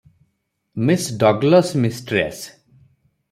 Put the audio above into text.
Miss Douglas mistress.